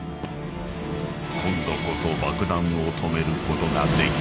［今度こそ爆弾を止めることができるのか？］